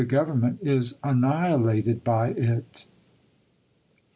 government is annihilated by it.